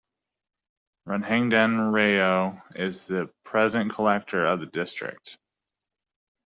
Ranghunandan Rao is the present collector of the district.